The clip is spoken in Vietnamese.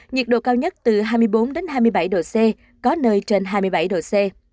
nhiệt độ cao nhất từ hai mươi bốn hai mươi bảy độ c có nơi trên hai mươi bảy độ c